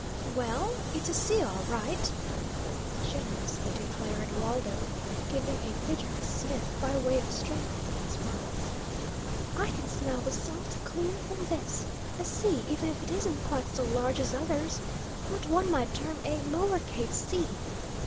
"Well, it's a sea all right," generously declared Waldo, giving a vigorous sniff by way of strengthening his words. "I can smell the salt clear from this. A sea, even if it isn't quite so large as others, what one might term a lower case c!"